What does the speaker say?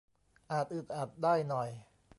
อาจอึดอัดได้หน่อย